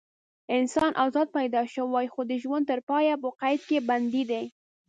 انسان ازاد پیدا شوی خو د ژوند تر پایه په قید کې بندي دی.